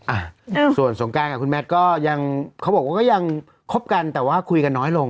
อ่ะส่วนสงการกับคุณแมทก็ยังเขาบอกว่าก็ยังคบกันแต่ว่าคุยกันน้อยลง